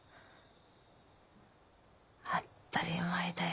当ったり前だよ。